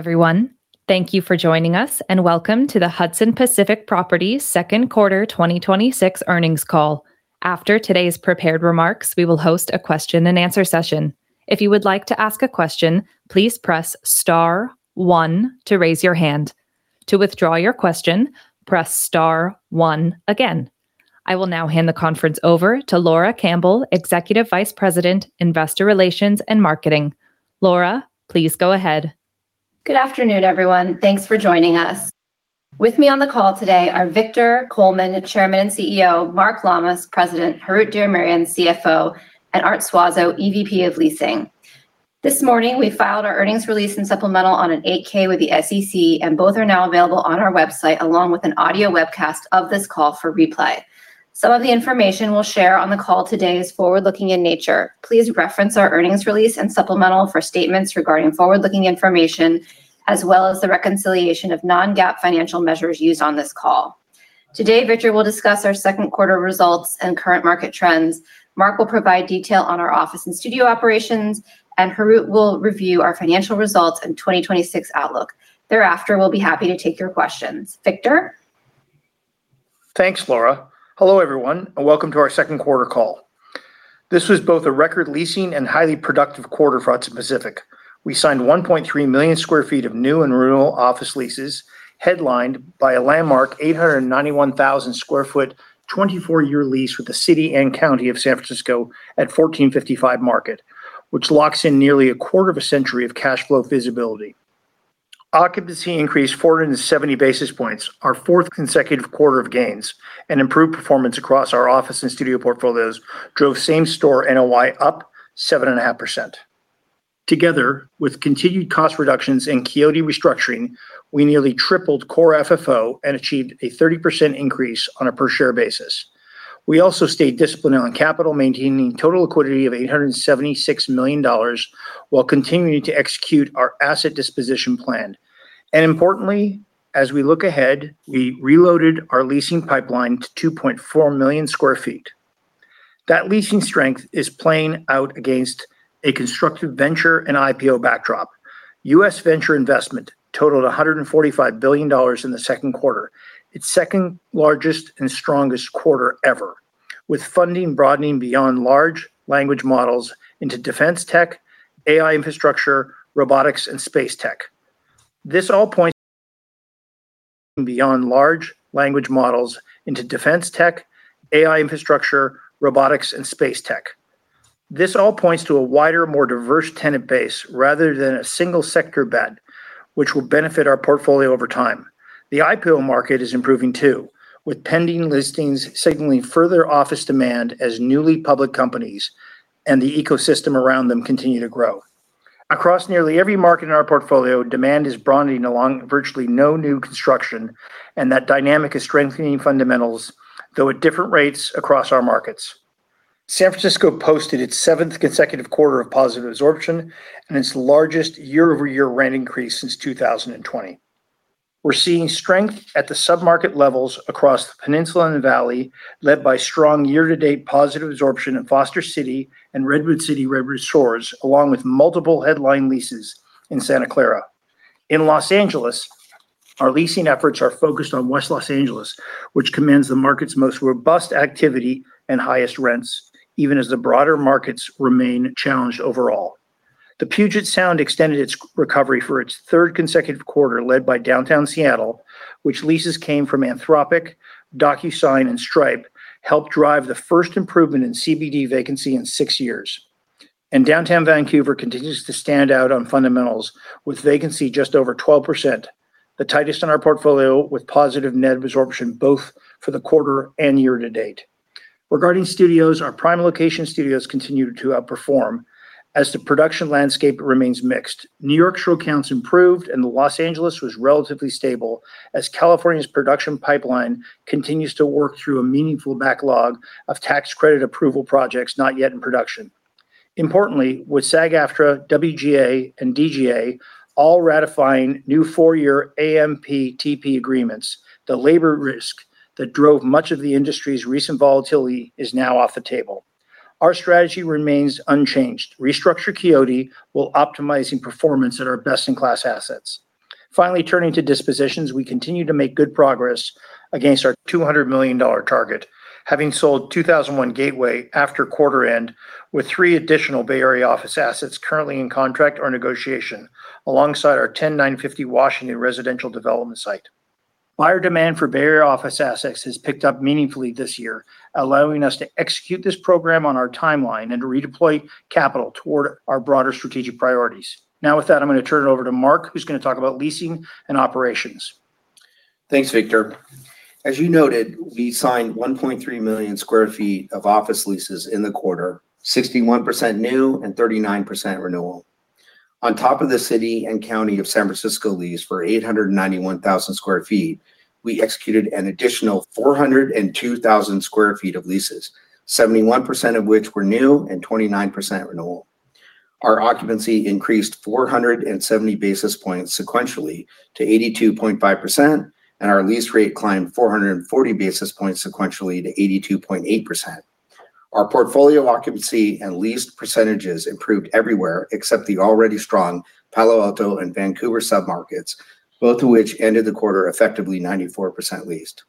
Hello, everyone. Thank you for joining us, and welcome to the Hudson Pacific Properties second quarter 2026 earnings call. After today's prepared remarks, we will host a question-and-answer session. If you would like to ask a question, please press star one to raise your hand. To withdraw your question, press star one again. I will now hand the conference over to Laura Campbell, Executive Vice President, Investor Relations and Marketing. Laura, please go ahead. Good afternoon, everyone. Thanks for joining us. With me on the call today are Victor Coleman, Chairman and CEO, Mark Lammas, President, Harout Diramerian, CFO, and Art Suazo, EVP of Leasing. This morning, we filed our earnings release and supplemental on an 8-K with the SEC, and both are now available on our website, along with an audio webcast of this call for replay. Some of the information we will share on the call today is forward-looking in nature. Please reference our earnings release and supplemental for statements regarding forward-looking information, as well as the reconciliation of non-GAAP financial measures used on this call. Today, Victor will discuss our second quarter results and current market trends. Mark will provide detail on our office and studio operations, and Harout will review our financial results and 2026 outlook. Thereafter, we will be happy to take your questions. Victor? Thanks, Laura. Hello, everyone, and welcome to our second quarter call. This was both a record leasing and highly productive quarter for Hudson Pacific. We signed 1.3 million sq ft of new and renewal office leases, headlined by a landmark 891,000 sq ft, 24-year lease with the City and County of San Francisco at 1455 Market, which locks in nearly a quarter of a century of cash flow visibility. Occupancy increased 470 basis points, our fourth consecutive quarter of gains, and improved performance across our office and studio portfolios drove same-store NOI up 7.5%. Together, with continued cost reductions in Quixote restructuring, we nearly tripled Core FFO and achieved a 30% increase on a per share basis. We also stayed disciplined on capital, maintaining total liquidity of $876 million while continuing to execute our asset disposition plan. Importantly, as we look ahead, we reloaded our leasing pipeline to 2.4 million sq ft. That leasing strength is playing out against a constructive venture and IPO backdrop. U.S. venture investment totaled $145 billion in the second quarter, its second largest and strongest quarter ever, with funding broadening beyond large language models into defense tech, AI infrastructure, robotics, and space tech. This all points to a wider, more diverse tenant base rather than a single sector bet, which will benefit our portfolio over time. The IPO market is improving too, with pending listings signaling further office demand as newly public companies and the ecosystem around them continue to grow. Across nearly every market in our portfolio, demand is broadening along virtually no new construction, and that dynamic is strengthening fundamentals, though at different rates across our markets. San Francisco posted its seventh consecutive quarter of positive absorption and its largest year-over-year rent increase since 2020. We are seeing strength at the submarket levels across the peninsula and the valley, led by strong year-to-date positive absorption in Foster City and Redwood City, Redwood Shores, along with multiple headline leases in Santa Clara. In Los Angeles, our leasing efforts are focused on West Los Angeles, which commands the market's most robust activity and highest rents, even as the broader markets remain challenged overall. The Puget Sound extended its recovery for its third consecutive quarter, led by downtown Seattle, which leases came from Anthropic, Docusign, and Stripe, helped drive the first improvement in CBD vacancy in six years. Downtown Vancouver continues to stand out on fundamentals with vacancy just over 12%, the tightest in our portfolio, with positive net absorption both for the quarter and year-to-date. Regarding studios, our prime location studios continue to outperform as the production landscape remains mixed. New York show counts improved and Los Angeles was relatively stable as California's production pipeline continues to work through a meaningful backlog of tax credit approval projects not yet in production. Importantly, with SAG-AFTRA, WGA, and DGA all ratifying new four-year AMPTP agreements, the labor risk that drove much of the industry's recent volatility is now off the table. Our strategy remains unchanged. Restructure Quixote while optimizing performance at our best-in-class assets. Finally, turning to dispositions, we continue to make good progress against our $200 million target, having sold 2001 Gateway after quarter end, with three additional Bay Area office assets currently in contract or negotiation, alongside our 10950 Washington residential development site. Buyer demand for Bay Area office assets has picked up meaningfully this year, allowing us to execute this program on our timeline and to redeploy capital toward our broader strategic priorities. Now, with that, I am going to turn it over to Mark, who is going to talk about leasing and operations. Thanks, Victor. As you noted, we signed 1.3 million sq ft of office leases in the quarter, 61% new and 39% renewal. On top of the City and County of San Francisco lease for 891,000 sq ft, we executed an additional 402,000 sq ft of leases, 71% of which were new and 29% renewal. Our occupancy increased 470 basis points sequentially to 82.5%, and our lease rate climbed 440 basis points sequentially to 82.8%. Our portfolio occupancy and lease percentages improved everywhere except the already strong Palo Alto and Vancouver submarkets, both of which ended the quarter effectively 94% leased.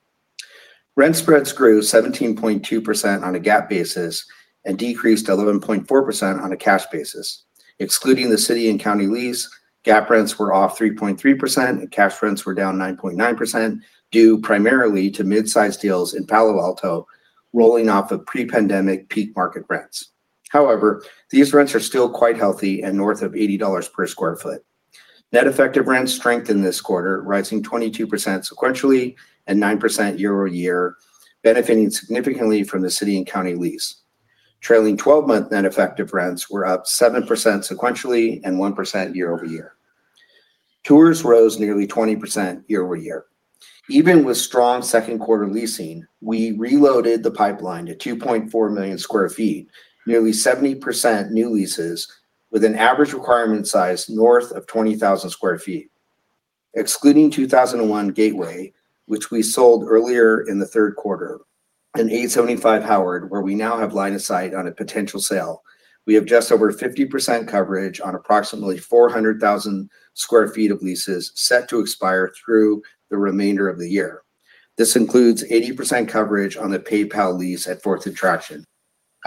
Rent spreads grew 17.2% on a GAAP basis and decreased 11.4% on a cash basis. Excluding the city and county lease, GAAP rents were off 3.3% and cash rents were down 9.9%, due primarily to mid-size deals in Palo Alto rolling off of pre-pandemic peak market rents. However, these rents are still quite healthy and north of $80 per sq ft. Net effective rents strengthened this quarter, rising 22% sequentially and 9% year-over-year, benefiting significantly from the city and county lease. Trailing 12-month net effective rents were up 7% sequentially and 1% year-over-year. Tours rose nearly 20% year-over-year. Even with strong second quarter leasing, we reloaded the pipeline to 2.4 million sq ft, nearly 70% new leases with an average requirement size north of 20,000 sq ft. Excluding 2001 Gateway, which we sold earlier in the third quarter, and 875 Howard, where we now have line of sight on a potential sale, we have just over 50% coverage on approximately 400,000 sq ft of leases set to expire through the remainder of the year. This includes 80% coverage on the PayPal lease at Fourth and Traction.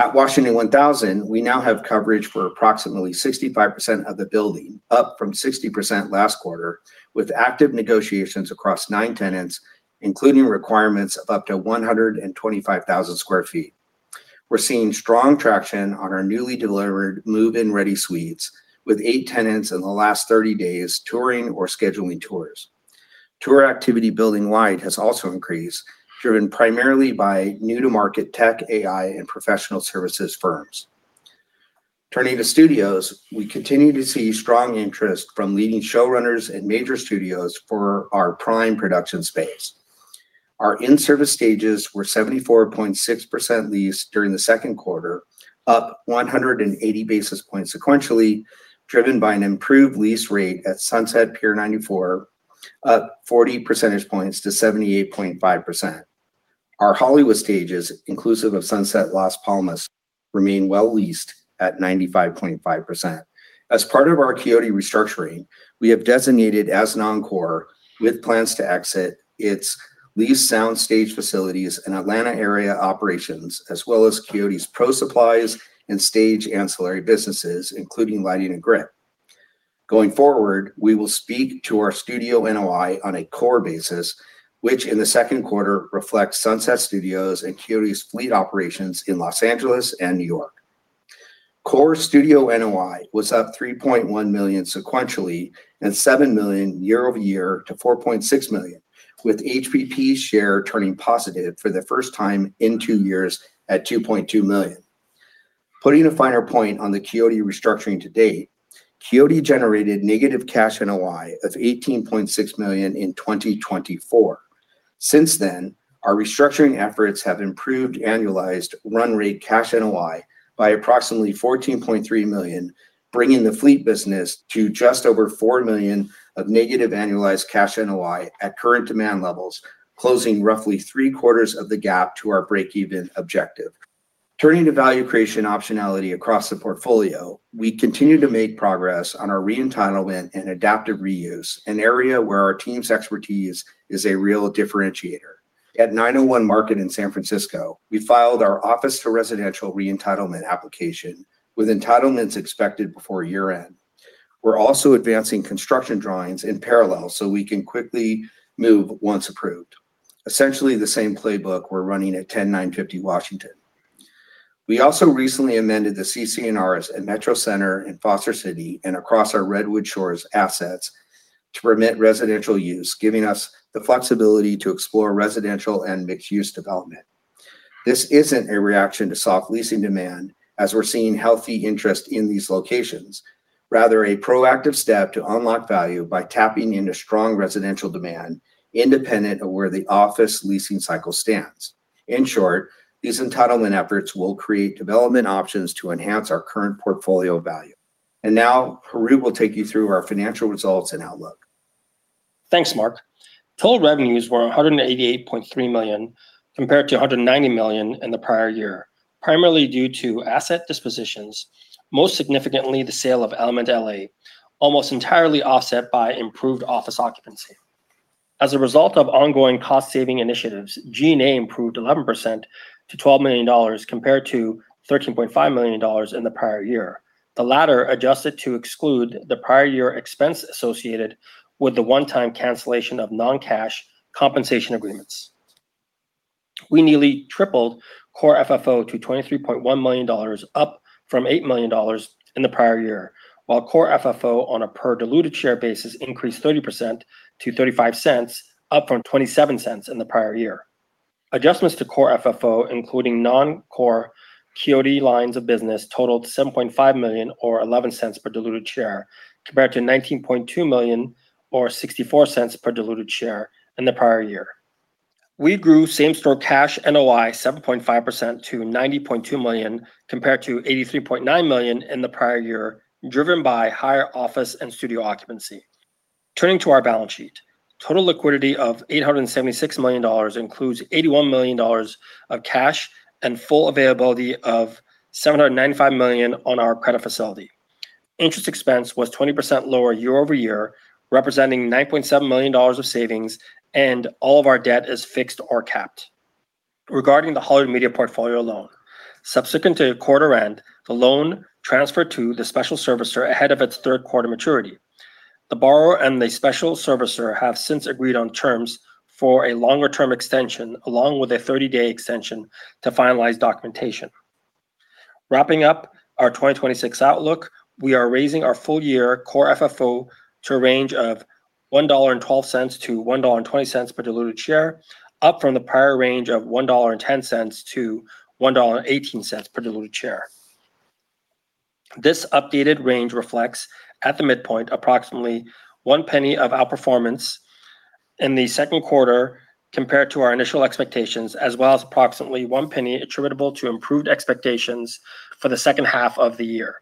At Washington 1000, we now have coverage for approximately 65% of the building, up from 60% last quarter, with active negotiations across nine tenants, including requirements of up to 125,000 sq ft. We're seeing strong traction on our newly delivered move-in-ready suites, with eight tenants in the last 30 days touring or scheduling tours. Tour activity building wide has also increased, driven primarily by new to market tech, AI, and professional services firms. Turning to studios, we continue to see strong interest from leading showrunners and major studios for our prime production space. Our in-service stages were 74.6% leased during the second quarter, up 180 basis points sequentially, driven by an improved lease rate at Sunset Pier 94, up 40 percentage points to 78.5%. Our Hollywood stages, inclusive of Sunset Las Palmas, remain well leased at 95.5%. As part of our Quixote restructuring, we have designated as non-core with plans to exit its leased soundstage facilities and Atlanta area operations, as well as Quixote's pro supplies and stage ancillary businesses, including lighting and grip. Going forward, we will speak to our studio NOI on a core basis, which in the second quarter reflects Sunset Studios and Quixote's fleet operations in Los Angeles and New York. Core studio NOI was up $3.1 million sequentially and $7 million year-over-year to $4.6 million, with HPP share turning positive for the first time in two years at $2.2 million. Putting a finer point on the Quixote restructuring to date, Quixote generated negative cash NOI of $18.6 million in 2024. Since then, our restructuring efforts have improved annualized run rate cash NOI by approximately $14.3 million, bringing the fleet business to just over $4 million of negative annualized cash NOI at current demand levels, closing roughly three quarters of the gap to our break even objective. Turning to value creation optionality across the portfolio, we continue to make progress on our re-entitlement and adaptive reuse, an area where our team's expertise is a real differentiator. At 901 Market in San Francisco, we filed our office for residential re-entitlement application, with entitlements expected before year-end. We're also advancing construction drawings in parallel so we can quickly move once approved. Essentially the same playbook we're running at 10950 Washington. We also recently amended the CC&Rs at Metro Center in Foster City and across our Redwood Shores assets to permit residential use, giving us the flexibility to explore residential and mixed-use development. This isn't a reaction to soft leasing demand, as we're seeing healthy interest in these locations. Rather, a proactive step to unlock value by tapping into strong residential demand, independent of where the office leasing cycle stands. In short, these entitlement efforts will create development options to enhance our current portfolio value. Now, Harout will take you through our financial results and outlook. Thanks, Mark. Total revenues were $188.3 million compared to $190 million in the prior year, primarily due to asset dispositions, most significantly the sale of Element L.A., almost entirely offset by improved office occupancy. As a result of ongoing cost saving initiatives, G&A improved 11% to $12 million, compared to $13.5 million in the prior year. The latter adjusted to exclude the prior year expense associated with the one-time cancellation of non-cash compensation agreements. We nearly tripled Core FFO to $23.1 million, up from $8 million in the prior year. While Core FFO on a per diluted share basis increased 30% to $0.35, up from $0.27 in the prior year. Adjustments to Core FFO, including non-core Quixote lines of business, totaled $7.5 million or $0.11 per diluted share, compared to $19.2 million or $0.64 per diluted share in the prior year. We grew same-store cash NOI 7.5% to $90.2 million, compared to $83.9 million in the prior year, driven by higher office and studio occupancy. Turning to our balance sheet. Total liquidity of $876 million includes $81 million of cash and full availability of $795 million on our credit facility. Interest expense was 20% lower year-over-year, representing $9.7 million of savings, and all of our debt is fixed or capped. Regarding the Hollywood Media portfolio loan, subsequent to quarter end, the loan transferred to the special servicer ahead of its third quarter maturity. The borrower and the special servicer have since agreed on terms for a longer-term extension, along with a 30-day extension to finalize documentation. Wrapping up our 2026 outlook, we are raising our full-year Core FFO to a range of $1.12-$1.20 per diluted share, up from the prior range of $1.10-$1.18 per diluted share. This updated range reflects, at the midpoint, approximately $0.01 of outperformance in the second quarter compared to our initial expectations, as well as approximately $0.01 attributable to improved expectations for the second half of the year.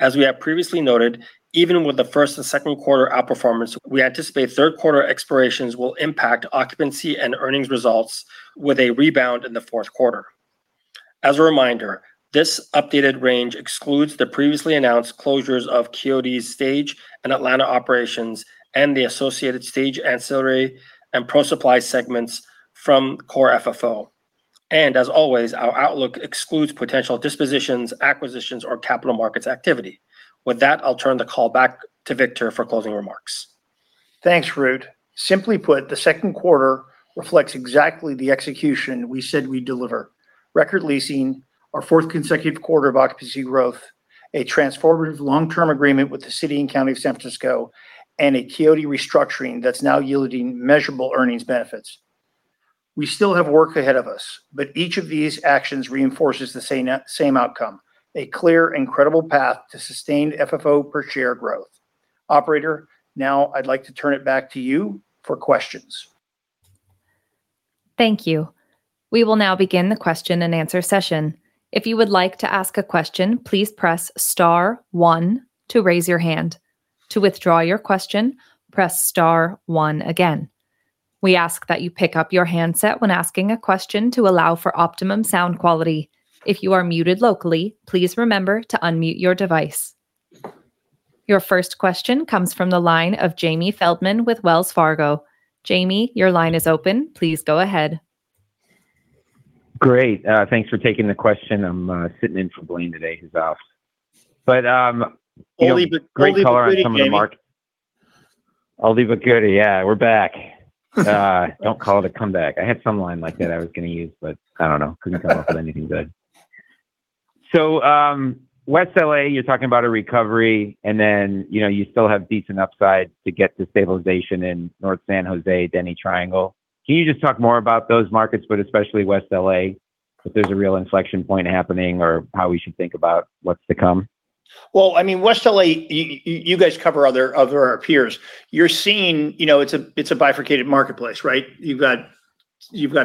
As we have previously noted, even with the first and second quarter outperformance, we anticipate third quarter expirations will impact occupancy and earnings results with a rebound in the fourth quarter. As a reminder, this updated range excludes the previously announced closures of Quixote's stage and Atlanta operations and the associated stage ancillary and pro supply segments from Core FFO. As always, our outlook excludes potential dispositions, acquisitions, or capital markets activity. With that, I'll turn the call back to Victor for closing remarks. Thanks, Harout. Simply put, the second quarter reflects exactly the execution we said we'd deliver. Record leasing, our fourth consecutive quarter of occupancy growth, a transformative long-term agreement with the City and County of San Francisco, and a Quixote restructuring that's now yielding measurable earnings benefits. We still have work ahead of us, each of these actions reinforces the same outcome, a clear and credible path to sustained FFO per share growth. Operator, now I'd like to turn it back to you for questions. Thank you. We will now begin the question-and-answer session. If you would like to ask a question, please press star one to raise your hand. To withdraw your question, press star one again. We ask that you pick up your handset when asking a question to allow for optimum sound quality. If you are muted locally, please remember to unmute your device. Your first question comes from the line of Jamie Feldman with Wells Fargo. Jamie, your line is open. Please go ahead. Great. Thanks for taking the question. I'm sitting in for Blaine today, who's out. Great color on some of the- Only the goodie, Jamie. Only the goodie, yeah. We're back. Don't call it a comeback. I had some line like that I was going to use, but I don't know. Couldn't come up with anything good. West L.A., you're talking about a recovery, and then you still have decent upside to get to stabilization in North San Jose, Denny Triangle. Can you just talk more about those markets, but especially West L.A., if there's a real inflection point happening or how we should think about what's to come? Well, West L.A., you guys cover other peers. You're seeing it's a bifurcated marketplace, right? You've got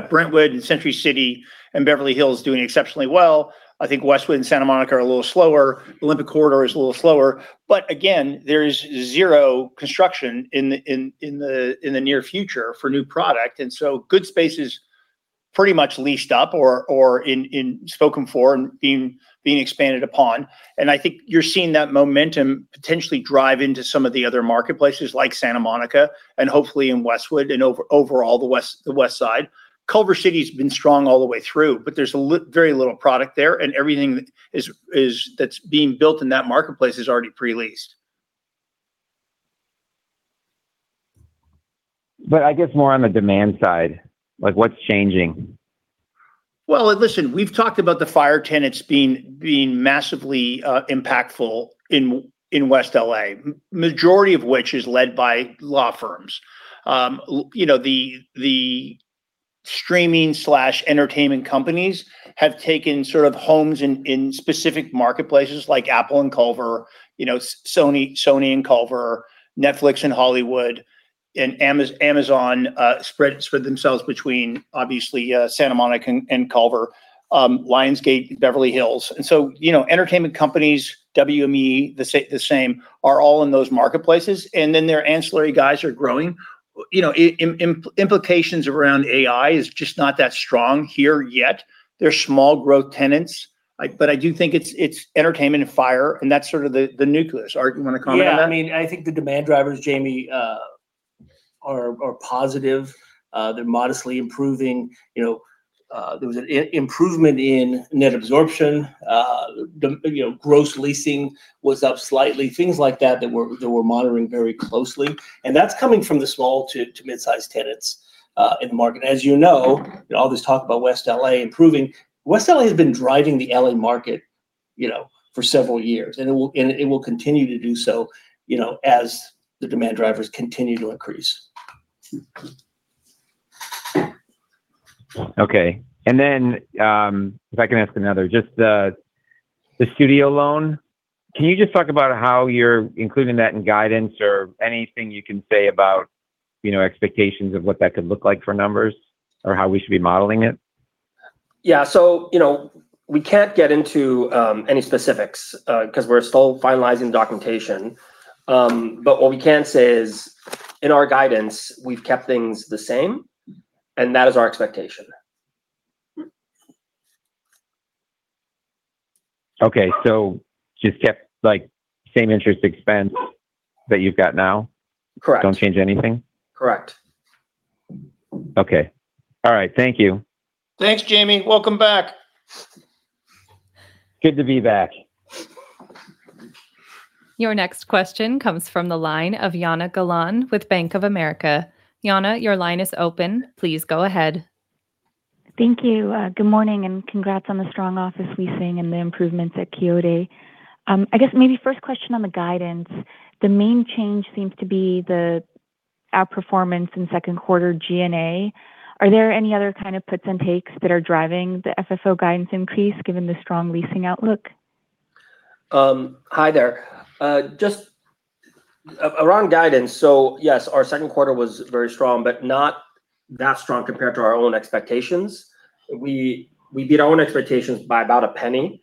Brentwood and Century City and Beverly Hills doing exceptionally well. I think Westwood and Santa Monica are a little slower. Olympic Corridor is a little slower. Again, there's zero construction in the near future for new product. Good space is pretty much leased up or in spoken for and being expanded upon. I think you're seeing that momentum potentially drive into some of the other marketplaces like Santa Monica and hopefully in Westwood and overall the West Side. Culver City's been strong all the way through, but there's very little product there, and everything that's being built in that marketplace is already pre-leased. I guess more on the demand side, what's changing? Well, listen, we've talked about the FIRE tenants being massively impactful in West L.A., majority of which is led by law firms. The streaming/entertainment companies have taken sort of homes in specific marketplaces like Apple and Culver, Sony and Culver, Netflix and Hollywood, and Amazon spread themselves between obviously Santa Monica and Culver, Lionsgate, Beverly Hills. Entertainment companies, WME, the same, are all in those marketplaces. Their ancillary guys are growing. Implications around AI is just not that strong here yet. They're small growth tenants. I do think it's entertainment and FIRE, and that's sort of the nucleus. Art, you want to comment on that? I think the demand drivers, Jamie, are positive. They are modestly improving. There was an improvement in net absorption. Gross leasing was up slightly. Things like that we are monitoring very closely. That is coming from the small to mid-size tenants in the market. As you know, all this talk about West L.A. improving, West L.A. has been driving the L.A. market for several years, and it will continue to do so as the demand drivers continue to increase. If I can ask another. Just the studio loan, can you just talk about how you are including that in guidance or anything you can say about expectations of what that could look like for numbers or how we should be modeling it? We can not get into any specifics because we are still finalizing documentation. What we can say is in our guidance, we have kept things the same, and that is our expectation. Just kept same interest expense that you have got now? Correct. Don't change anything? Correct. Okay. All right. Thank you. Thanks, Jamie. Welcome back. Good to be back. Your next question comes from the line of Jana Galan with Bank of America. Jana, your line is open. Please go ahead. Thank you. Good morning. Congrats on the strong office leasing and the improvements at Quixote. I guess maybe first question on the guidance. The main change seems to be the outperformance in second quarter G&A. Are there any other kind of puts and takes that are driving the FFO guidance increase given the strong leasing outlook? Hi there. Just around guidance, yes, our second quarter was very strong, but not that strong compared to our own expectations. We beat our own expectations by about $0.01.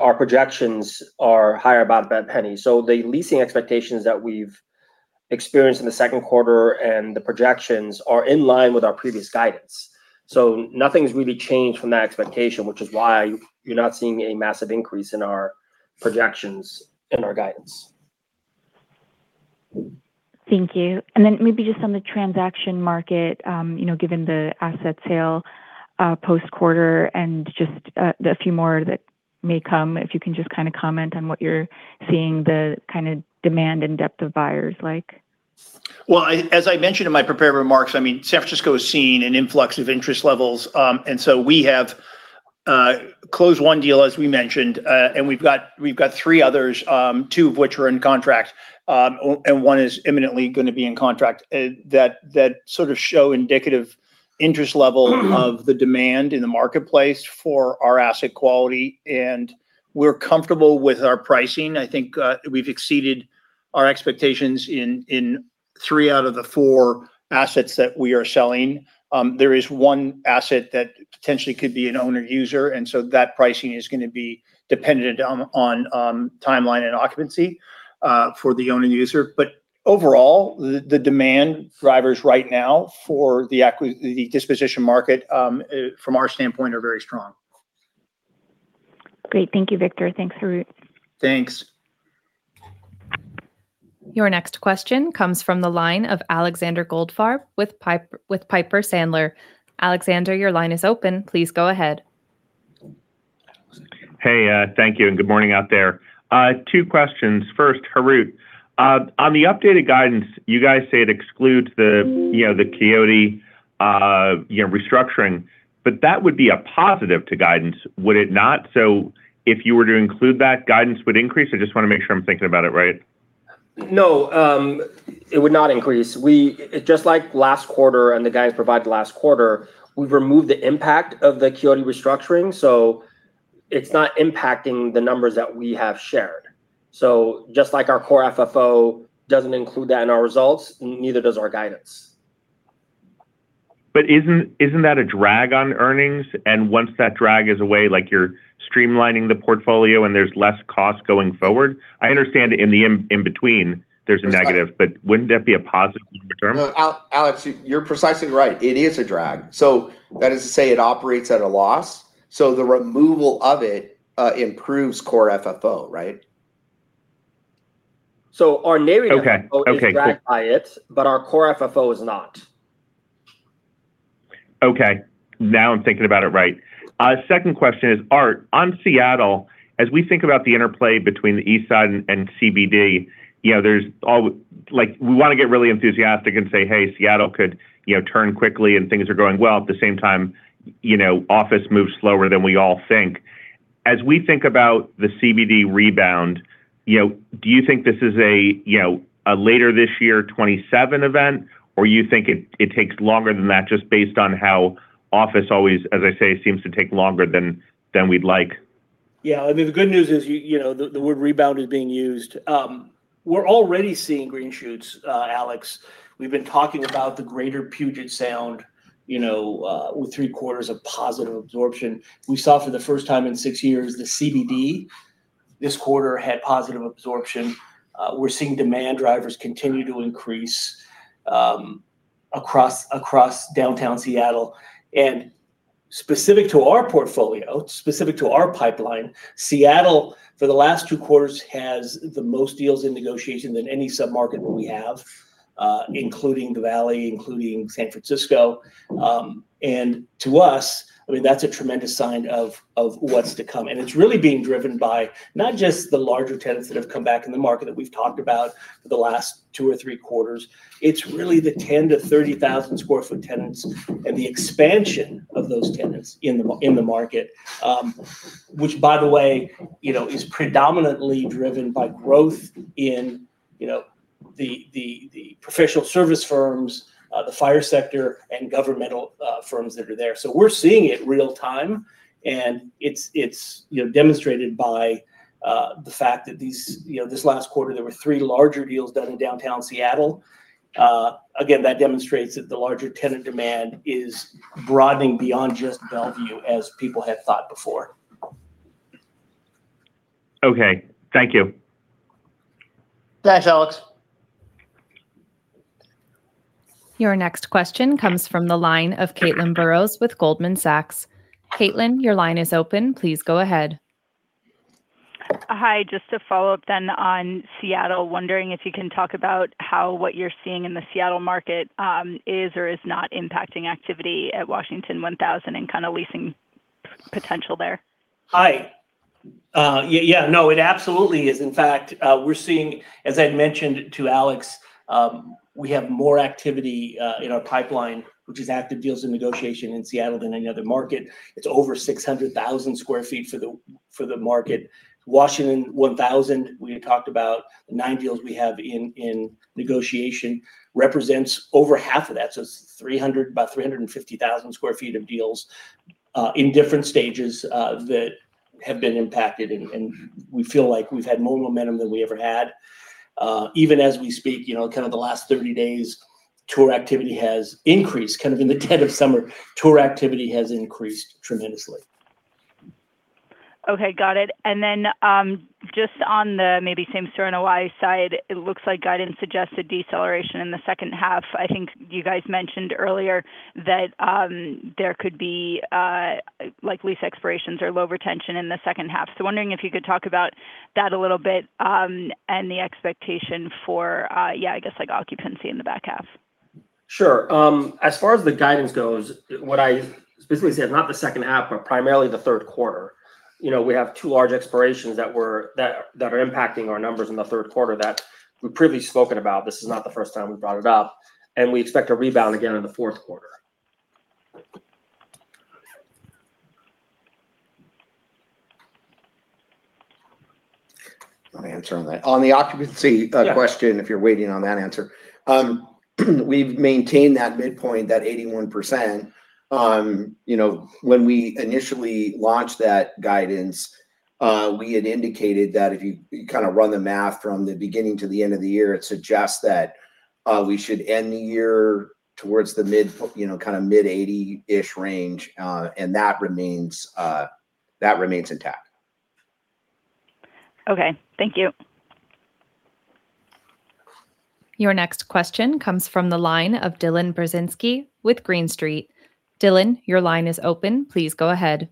Our projections are higher by about $0.01. The leasing expectations that we've experienced in the second quarter and the projections are in line with our previous guidance. Nothing's really changed from that expectation, which is why you're not seeing a massive increase in our projections in our guidance. Thank you. Then maybe just on the transaction market, given the asset sale post quarter and just the few more that may come, if you can just kind of comment on what you're seeing the kind of demand and depth of buyers like. Well, as I mentioned in my prepared remarks, San Francisco has seen an influx of interest levels. We have closed one deal, as we mentioned, and we've got three others, two of which are in contract, and one is imminently going to be in contract, that sort of show indicative interest level of the demand in the marketplace for our asset quality. We're comfortable with our pricing. I think we've exceeded our expectations in three out of the four assets that we are selling. There is one asset that potentially could be an owner user, so that pricing is going to be dependent on timeline and occupancy for the owner user. Overall, the demand drivers right now for the disposition market from our standpoint are very strong. Great. Thank you, Victor. Thanks, Harout. Thanks. Your next question comes from the line of Alexander Goldfarb with Piper Sandler. Alexander, your line is open. Please go ahead. Hey, thank you, good morning out there. Two questions. First, Harout, on the updated guidance, you guys say it excludes the Quixote restructuring, that would be a positive to guidance, would it not? If you were to include that, guidance would increase? I just want to make sure I'm thinking about it right. No, it would not increase. Just like last quarter and the guidance provided last quarter, we've removed the impact of the Quixote restructuring. It's not impacting the numbers that we have shared. Just like our Core FFO doesn't include that in our results, neither does our guidance. Isn't that a drag on earnings? Once that drag is away, like you're streamlining the portfolio and there's less cost going forward? I understand in the in between there's a negative, wouldn't that be a positive longer term? No, Alex, you're precisely right. It is a drag. That is to say it operates at a loss, the removal of it improves Core FFO, right? Our net income is dragged by it. Okay. Cool. But our Core FFO is not. Okay. Now I'm thinking about it right. Second question is, Art, on Seattle, as we think about the interplay between the East Side and CBD, we want to get really enthusiastic and say, "Hey, Seattle could turn quickly and things are going well." At the same time, office moves slower than we all think. As we think about the CBD rebound, do you think this is a later this year 2027 event, or you think it takes longer than that just based on how office always, as I say, seems to take longer than we'd like? Yeah. I mean, the good news is the word rebound is being used. We're already seeing green shoots, Alex. We've been talking about the greater Puget Sound with three quarters of positive absorption. We saw for the first time in six years the CBD this quarter had positive absorption. We're seeing demand drivers continue to increase across downtown Seattle. Specific to our portfolio, specific to our pipeline, Seattle for the last two quarters has the most deals in negotiation than any sub-market we have, including the Valley, including San Francisco. To us, that's a tremendous sign of what's to come. It's really being driven by not just the larger tenants that have come back in the market that we've talked about for the last two or three quarters. It's really the 10,000-30,000 sq ft tenants and the expansion of those tenants in the market. Which by the way is predominantly driven by growth in the professional service firms, the FIRE sector, and governmental firms that are there. We're seeing it real time, and it's demonstrated by the fact that this last quarter, there were three larger deals done in downtown Seattle. Again, that demonstrates that the larger tenant demand is broadening beyond just Bellevue as people had thought before. Okay. Thank you. Thanks, Alex. Your next question comes from the line of Caitlin Burrows with Goldman Sachs. Caitlin, your line is open. Please go ahead. Hi. Just to follow up on Seattle, wondering if you can talk about how what you're seeing in the Seattle market is or is not impacting activity at Washington 1000 and kind of leasing potential there? Hi. Yeah, no, it absolutely is. In fact, we're seeing, as I'd mentioned to Alex, we have more activity in our pipeline, which is active deals in negotiation in Seattle than any other market. It's over 600,000 sq ft for the market. Washington 1000, we had talked about the nine deals we have in negotiation, represents over half of that. It's about 350,000 sq ft of deals in different stages that have been impacted, and we feel like we've had more momentum than we ever had. Even as we speak, kind of the last 30 days, tour activity has increased kind of in the dead of summer. Tour activity has increased tremendously. Okay, got it. Just on the maybe same-store NOI side, it looks like guidance suggests a deceleration in the second half. I think you guys mentioned earlier that there could be lease expirations or low retention in the second half. Wondering if you could talk about that a little bit, and the expectation for I guess occupancy in the back half. Sure. As far as the guidance goes, what I specifically said, not the second half, but primarily the third quarter. We have two large expirations that are impacting our numbers in the third quarter that we've previously spoken about. This is not the first time we've brought it up, and we expect a rebound again in the fourth quarter. On the occupancy question, if you're waiting on that answer. We've maintained that midpoint, that 81%. When we initially launched that guidance, we had indicated that if you kind of run the math from the beginning to the end of the year, it suggests that we should end the year towards the mid kind of mid 80%-ish range. That remains intact. Okay. Thank you. Your next question comes from the line of Dylan Burzinski with Green Street. Dylan, your line is open. Please go ahead.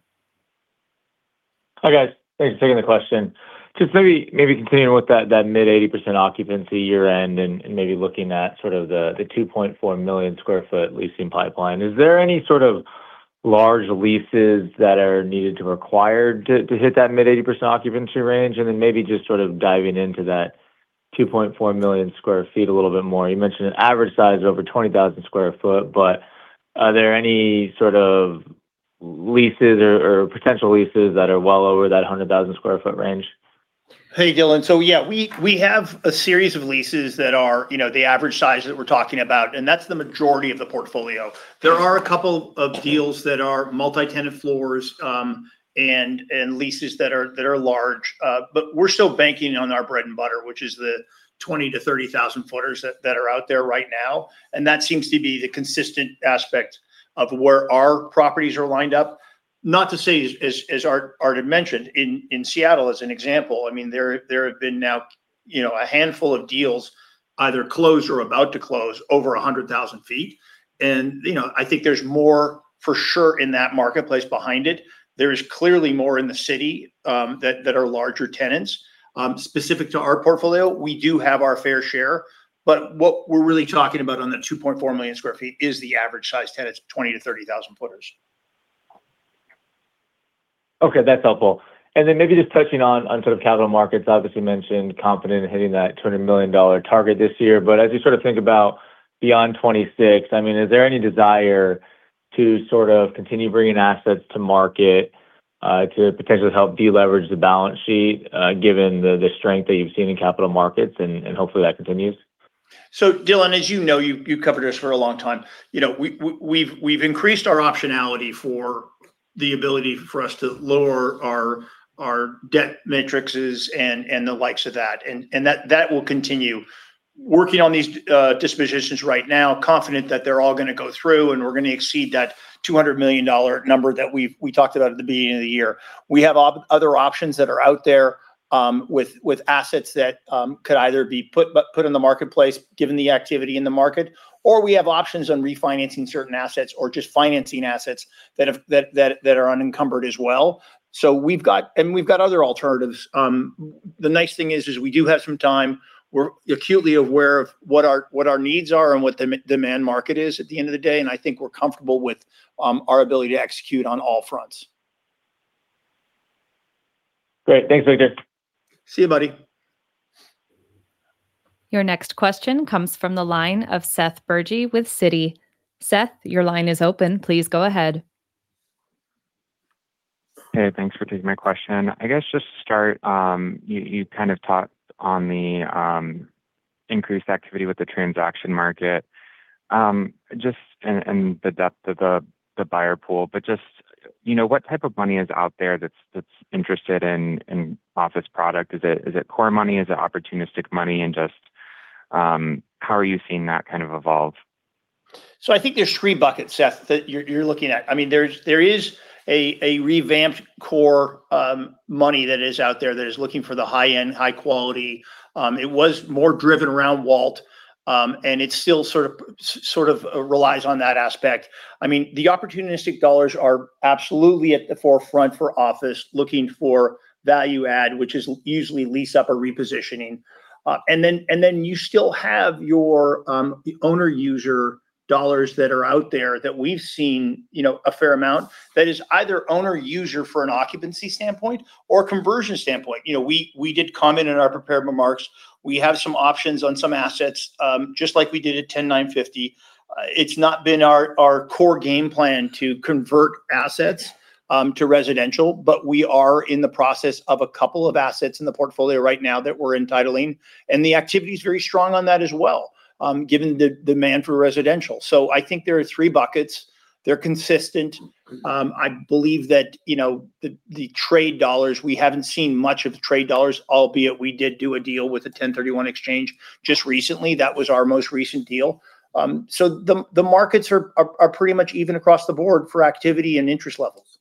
Hi, guys. Thanks for taking the question. Just maybe continuing with that mid-80% occupancy year-end and maybe looking at sort of the 2.4 million sq ft leasing pipeline. Is there any sort of large leases that are needed to require to hit that mid-80% occupancy range? Maybe just sort of diving into that 2.4 million sq ft a little bit more. You mentioned an average size over 20,000 sq ft, but are there any sort of leases or potential leases that are well over that 100,000 sq ft range? Hey, Dylan. Yeah, we have a series of leases that are the average size that we're talking about, and that's the majority of the portfolio. There are a couple of deals that are multi-tenant floors, and leases that are large. We're still banking on our bread and butter, which is the 20,000-30,000 footers that are out there right now, and that seems to be the consistent aspect of where our properties are lined up. Not to say, as Art had mentioned, in Seattle as an example, there have been now a handful of deals either closed or about to close over 100,000 feet. I think there's more for sure in that marketplace behind it. There is clearly more in the city that are larger tenants. Specific to our portfolio, we do have our fair share, but what we're really talking about on the 2.4 million sq ft is the average size tenants, 20,000-30,000 footers. Okay, that's helpful. Maybe just touching on sort of capital markets, obviously you mentioned confident in hitting that $200 million target this year. As you sort of think about beyond 2026, is there any desire to sort of continue bringing assets to market to potentially help deleverage the balance sheet, given the strength that you've seen in capital markets and hopefully that continues? Dylan, as you know, you've covered us for a long time. We've increased our optionality for the ability for us to lower our debt matrixes and the likes of that, and that will continue. Working on these dispositions right now, confident that they're all going to go through, and we're going to exceed that $200 million number that we talked about at the beginning of the year. We have other options that are out there with assets that could either be put in the marketplace, given the activity in the market, or we have options on refinancing certain assets or just financing assets that are unencumbered as well. We've got other alternatives. The nice thing is we do have some time. We're acutely aware of what our needs are and what the demand market is at the end of the day, I think we're comfortable with our ability to execute on all fronts. Great. Thanks, Victor. See you, buddy. Your next question comes from the line of Seth Bergey with Citigroup. Seth, your line is open. Please go ahead. Hey, thanks for taking my question. I guess just to start, you kind of touched on the increased activity with the transaction market, and the depth of the buyer pool. Just what type of money is out there that's interested in office product? Is it core money? Is it opportunistic money? Just how are you seeing that kind of evolve? I think there's three buckets, Seth, that you're looking at. There is a revamped core money that is out there that is looking for the high-end, high-quality. It was more driven around WALT, and it still sort of relies on that aspect. The opportunistic dollars are absolutely at the forefront for office looking for value add, which is usually lease up or repositioning. Then you still have your owner/user dollars that are out there that we've seen a fair amount. That is either owner/user for an occupancy standpoint or a conversion standpoint. We did comment in our prepared remarks, we have some options on some assets, just like we did at 10950. It's not been our core game plan to convert assets to residential, but we are in the process of a couple of assets in the portfolio right now that we're entitling, and the activity's very strong on that as well, given the demand for residential. I think there are three buckets. They're consistent. I believe that the trade dollars, we haven't seen much of the trade dollars, albeit we did do a deal with a 1031 exchange just recently. That was our most recent deal. The markets are pretty much even across the board for activity and interest levels.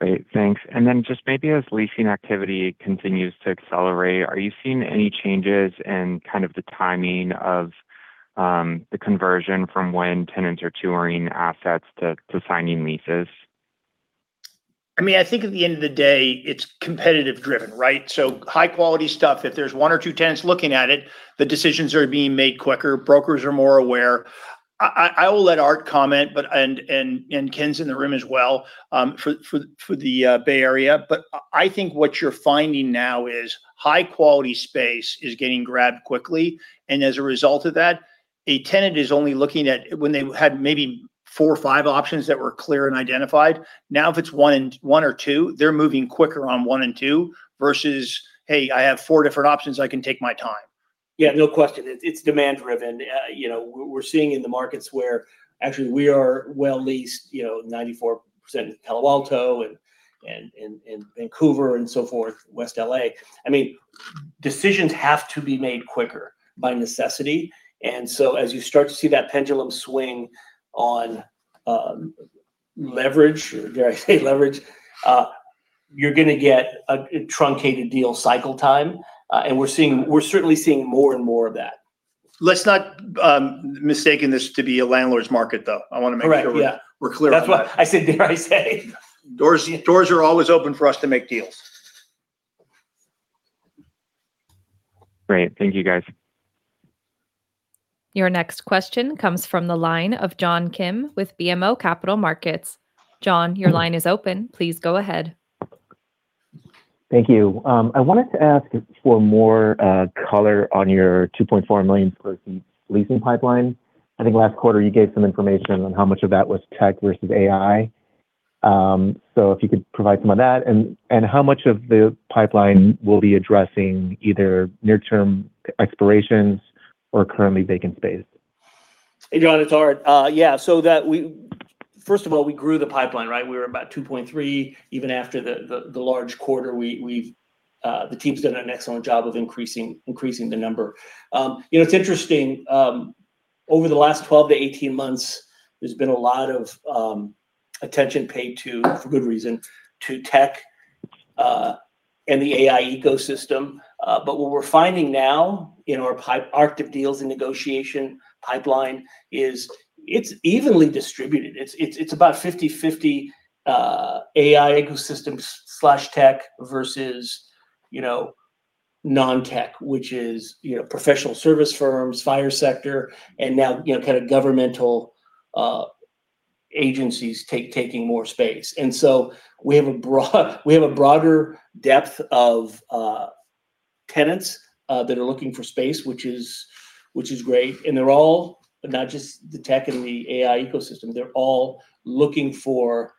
Great. Thanks. Then just maybe as leasing activity continues to accelerate, are you seeing any changes in kind of the timing of the conversion from when tenants are touring assets to signing leases? I think at the end of the day, it's competitive driven, right? High quality stuff, if there's one or two tenants looking at it, the decisions are being made quicker. Brokers are more aware. I will let Art comment, and Ken's in the room as well, for the Bay Area. I think what you're finding now is high quality space is getting grabbed quickly, and as a result of that, a tenant is only looking at when they had maybe four or five options that were clear and identified. Now if it's one or two, they're moving quicker on one and two versus, "Hey, I have four different options. I can take my time." Yeah, no question. It's demand driven. We're seeing in the markets where actually we are well leased, 94% in Palo Alto and Vancouver and so forth, West L.A. Decisions have to be made quicker by necessity. As you start to see that pendulum swing on leverage, dare I say leverage, you're going to get a truncated deal cycle time. We're certainly seeing more and more of that. Let's not mistaken this to be a landlord's market, though. Correct. Yeah. We're clear on that. That's why I said, "Dare I say." Doors are always open for us to make deals. Great. Thank you, guys. Your next question comes from the line of John Kim with BMO Capital Markets. John, your line is open. Please go ahead. Thank you. I wanted to ask for more color on your 2.4 million sq ft leasing pipeline. I think last quarter you gave some information on how much of that was tech versus AI. If you could provide some on that, and how much of the pipeline will be addressing either near term expirations or currently vacant space? Hey, John, it's Art. Yeah. First of all, we grew the pipeline, right? We were about 2.3 million sq ft. Even after the large quarter, the team's done an excellent job of increasing the number. It's interesting. Over the last 12-18 months, there's been a lot of attention paid to, for good reason, to tech, and the AI ecosystem. What we're finding now in our active deals and negotiation pipeline is it's evenly distributed. It's about 50/50 AI ecosystem/tech versus non-tech, which is professional service firms, FIRE sector, and now kind of governmental agencies taking more space. We have a broader depth of tenants that are looking for space, which is great, and they're all not just the tech and the AI ecosystem. They're all looking for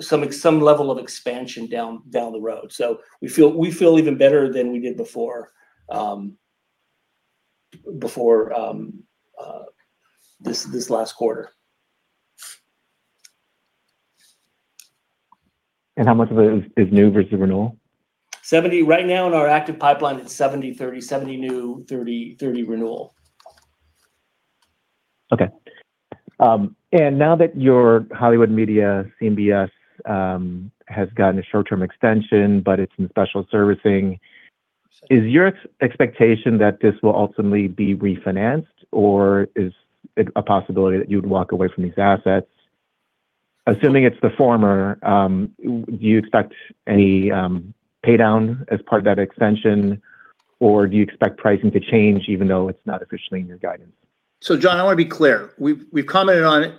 some level of expansion down the road. We feel even better than we did before this last quarter. How much of it is new versus renewal? Right now in our active pipeline, it's 70/30, 70 new, 30 renewal. Okay. Now that your Hollywood Media, CMBS, has gotten a short-term extension, but it's in special servicing, is your expectation that this will ultimately be refinanced, or is it a possibility that you'd walk away from these assets? Assuming it's the former, do you expect any pay down as part of that extension, or do you expect pricing to change even though it's not officially in your guidance? John, I want to be clear. We've commented on it.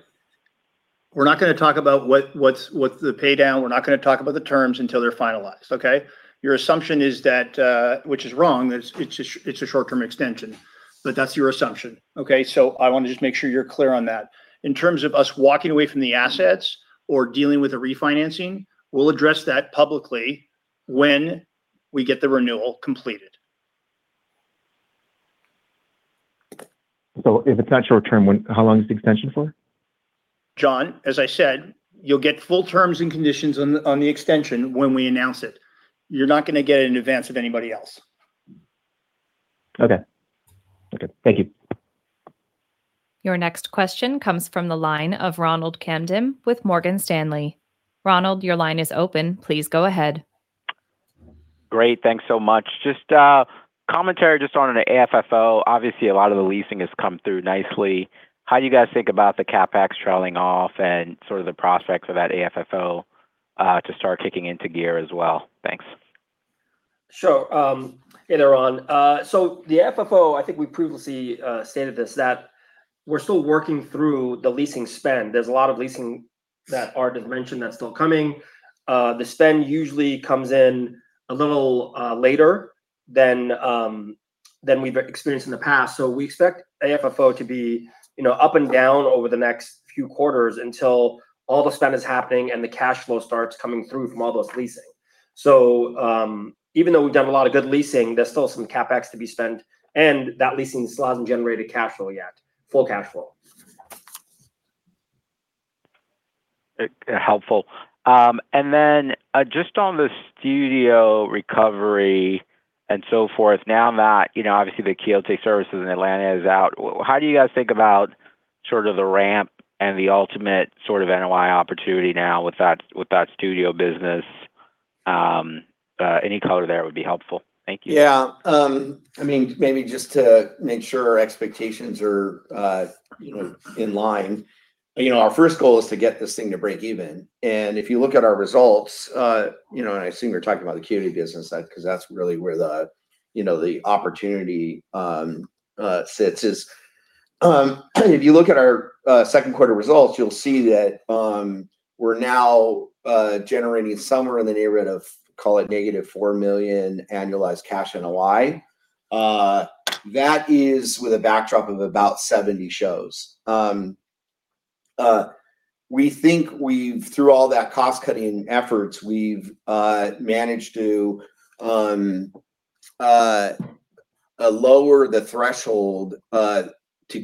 We're not going to talk about what the pay down, we're not going to talk about the terms until they're finalized, okay? Your assumption is that, which is wrong, that it's a short-term extension, but that's your assumption, okay? I want to just make sure you're clear on that. In terms of us walking away from the assets or dealing with a refinancing, we'll address that publicly when we get the renewal completed. If it's not short-term, how long is the extension for? John, as I said, you'll get full terms and conditions on the extension when we announce it. You're not going to get it in advance of anybody else. Okay. Thank you. Your next question comes from the line of Ronald Kamdem with Morgan Stanley. Ronald, your line is open. Please go ahead. Great. Thanks so much. Commentary on an AFFO. Obviously, a lot of the leasing has come through nicely. How do you guys think about the CapEx trailing off and sort of the prospects of that AFFO to start kicking into gear as well? Thanks. Sure. Hey there, Ron. The FFO, I think we previously stated this, that we're still working through the leasing spend. There's a lot of leasing that Art has mentioned that's still coming. The spend usually comes in a little later than we've experienced in the past. We expect AFFO to be up and down over the next few quarters until all the spend is happening and the cash flow starts coming through from all those leasing. Even though we've done a lot of good leasing, there's still some CapEx to be spent, and that leasing still hasn't generated cash flow yet, full cash flow. Helpful. Just on the studio recovery and so forth, now that obviously the Quixote services in Atlanta is out, how do you guys think about sort of the ramp and the ultimate sort of NOI opportunity now with that studio business? Any color there would be helpful. Thank you. Yeah. Maybe just to make sure our expectations are in line. Our first goal is to get this thing to break even. If you look at our results, and I assume you're talking about the Quixote business, because that's really where the opportunity sits, is if you look at our second quarter results, you'll see that we're now generating somewhere in the neighborhood of, call it -$4 million annualized cash NOI. That is with a backdrop of about 70 shows. We think through all that cost-cutting efforts, we've managed to lower the threshold to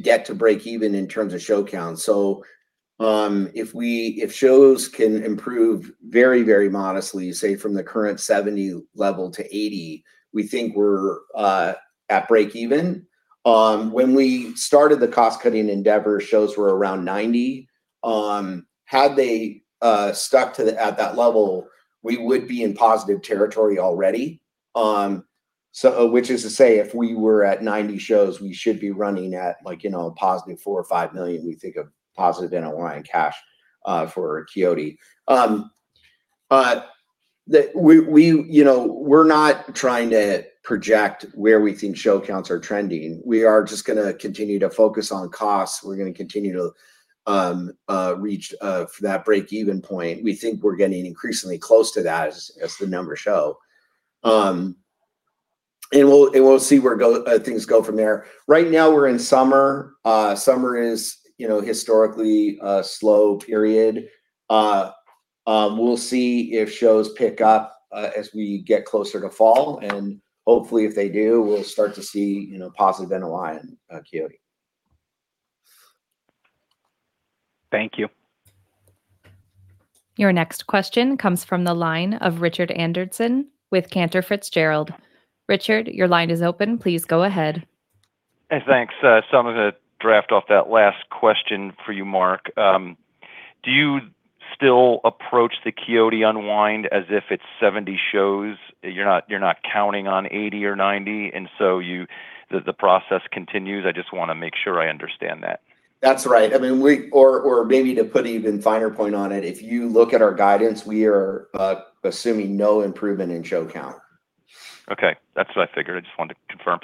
get to break even in terms of show count. If shows can improve very modestly, say from the current 70 level to 80, we think we're at break even. When we started the cost-cutting endeavor, shows were around 90. Had they stuck at that level, we would be in positive territory already. Which is to say, if we were at 90 shows, we should be running at like +$4 million or +$5 million, we think of positive NOI and cash for Quixote. We're not trying to project where we think show counts are trending. We are just going to continue to focus on costs. We're going to continue to reach for that break-even point. We think we're getting increasingly close to that as the numbers show. We'll see where things go from there. Right now, we're in summer. Summer is historically a slow period. We'll see if shows pick up as we get closer to fall, and hopefully if they do, we'll start to see positive NOI in Quixote. Thank you. Your next question comes from the line of Richard Anderson with Cantor Fitzgerald. Richard, your line is open. Please go ahead. Hey, thanks. I'm going to draft off that last question for you, Mark. Do you still approach the Quixote unwind as if it's 70 shows? You're not counting on 80 or 90, the process continues? I just want to make sure I understand that. That's right. Maybe to put an even finer point on it, if you look at our guidance, we are assuming no improvement in show count. Okay. That's what I figured. I just wanted to confirm.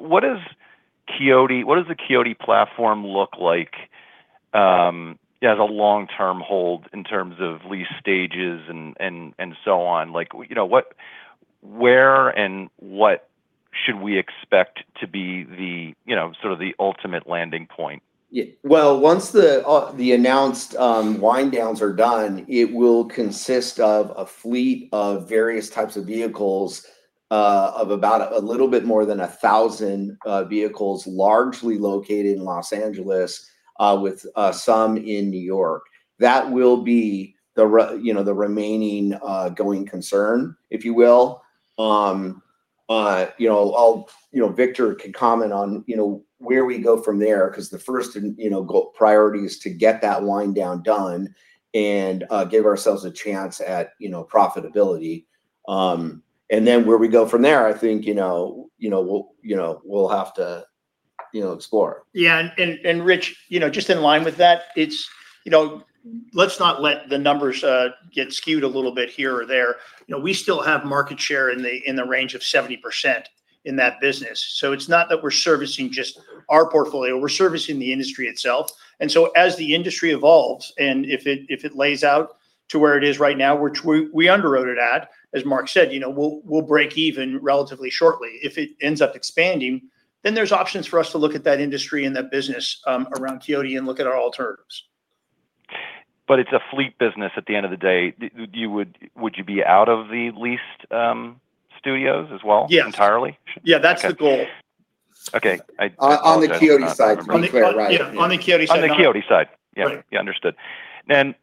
What does the Quixote platform look like as a long-term hold in terms of lease stages and so on? Where and what should we expect to be the ultimate landing point? Well, once the announced wind downs are done, it will consist of a fleet of various types of vehicles of about a little bit more than 1,000 vehicles, largely located in Los Angeles, with some in New York. That will be the remaining going concern, if you will. Victor can comment on where we go from there, because the first priority is to get that wind down done and give ourselves a chance at profitability. Where we go from there, I think we'll have to explore. Yeah. Rich, just in line with that, let's not let the numbers get skewed a little bit here or there. We still have market share in the range of 70% in that business. It's not that we're servicing just our portfolio. We're servicing the industry itself. As the industry evolves, and if it lays out to where it is right now, which we underwrote it at, as Mark said, we'll break even relatively shortly. If it ends up expanding, then there's options for us to look at that industry and that business around Quixote and look at our alternatives. It's a fleet business at the end of the day. Would you be out of the leased studios as well? Yes. Entirely? Yeah, that's the goal. Okay. On the Quixote side. I want to be clear. Right? Yeah. On the Quixote side. On the Quixote side? Yeah. Yeah, understood. My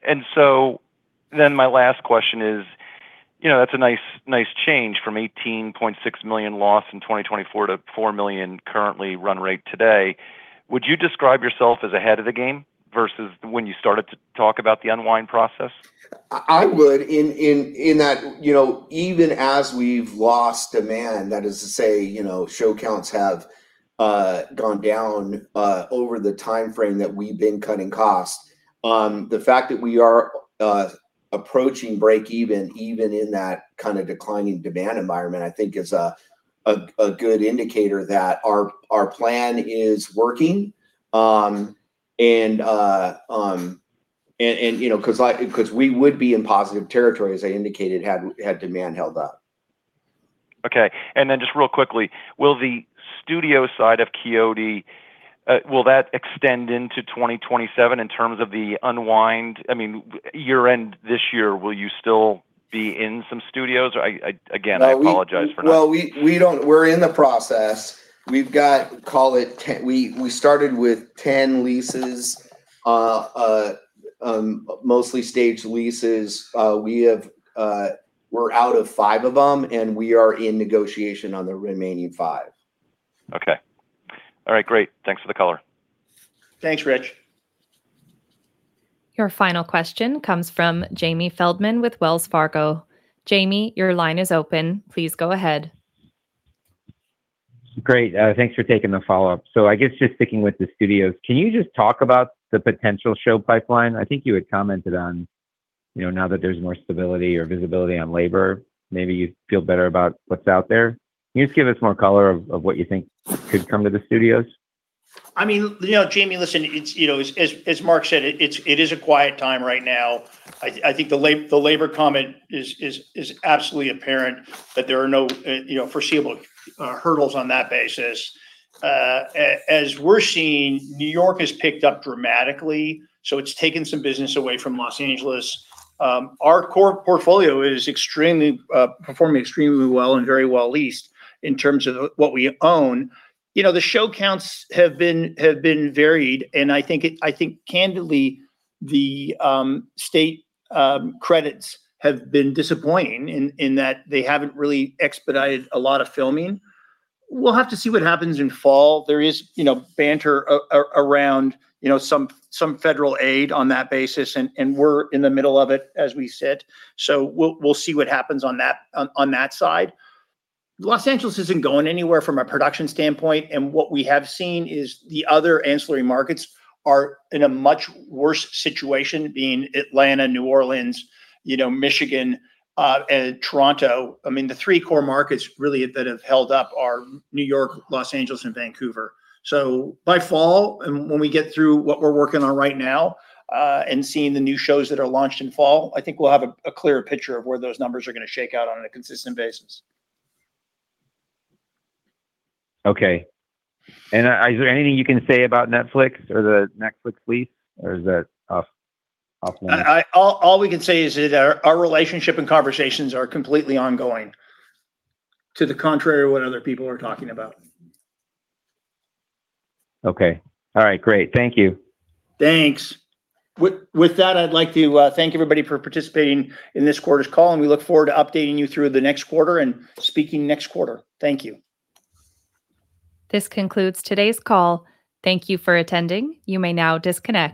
last question is, that's a nice change from $18.6 million loss in 2024 to $4 million currently run rate today. Would you describe yourself as ahead of the game versus when you started to talk about the unwind process? I would, in that even as we've lost demand, that is to say, show counts have gone down over the timeframe that we've been cutting costs. The fact that we are approaching breakeven, even in that kind of declining demand environment, I think is a good indicator that our plan is working. Because we would be in positive territory, as I indicated, had demand held up. Okay. Then just real quickly, will the studio side of Quixote, will that extend into 2027 in terms of the unwind, year-end this year, will you still be in some studios? Again, I apologize for. Well, we're in the process. We started with 10 leases, mostly staged leases. We're out of five of them, and we are in negotiation on the remaining five. Okay. All right, great. Thanks for the color. Thanks, Rich. Your final question comes from Jamie Feldman with Wells Fargo. Jamie, your line is open. Please go ahead. Great. Thanks for taking the follow-up. I guess just sticking with the studios, can you just talk about the potential show pipeline? I think you had commented on now that there's more stability or visibility on labor, maybe you feel better about what's out there. Can you just give us more color of what you think could come to the studios? Jamie, listen, as Mark said, it is a quiet time right now. I think the labor comment is absolutely apparent, that there are no foreseeable hurdles on that basis. As we're seeing, New York has picked up dramatically, so it's taken some business away from Los Angeles. Our core portfolio is performing extremely well, and very well-leased in terms of what we own. The show counts have been varied, and I think candidly, the state credits have been disappointing in that they haven't really expedited a lot of filming. We'll have to see what happens in fall. There is banter around some federal aid on that basis, and we're in the middle of it as we sit. We'll see what happens on that side. Los Angeles isn't going anywhere from a production standpoint, and what we have seen is the other ancillary markets are in a much worse situation, being Atlanta, New Orleans, Michigan, and Toronto. The three core markets really that have held up are New York, Los Angeles, and Vancouver. By fall, when we get through what we're working on right now, and seeing the new shows that are launched in fall, I think we'll have a clearer picture of where those numbers are going to shake out on a consistent basis. Okay. Is there anything you can say about Netflix or the Netflix fleet, or is that off-limits? All we can say is that our relationship and conversations are completely ongoing, to the contrary of what other people are talking about. Okay. All right, great. Thank you. Thanks. With that, I'd like to thank everybody for participating in this quarter's call, and we look forward to updating you through the next quarter and speaking next quarter. Thank you. This concludes today's call. Thank you for attending. You may now disconnect.